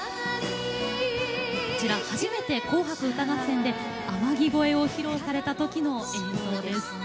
こちら初めて「紅白歌合戦」で「天城越え」を披露された時の映像です。